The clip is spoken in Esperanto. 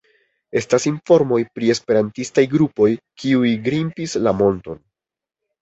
Estas informoj pri esperantistaj grupoj, kiuj grimpis la monton.